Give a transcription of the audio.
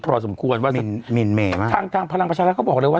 พอสมควรว่ามินมินเมมากทางทางพลังประชาชน์เขาบอกเลยว่า